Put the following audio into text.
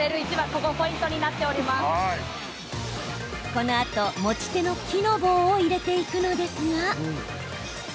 このあと、持ち手の木の棒を入れていくのですが。